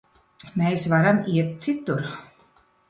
Mēs varam iet citur.